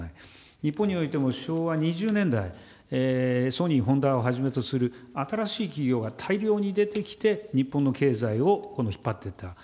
日本においても昭和２０年代、ソニー、ホンダをはじめとする新しい企業が大量に出てきて、日本の経済を引っ張っていった。